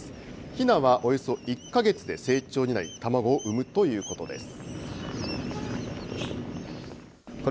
ひなはおよそ１か月で成鳥になり、卵を産むということです。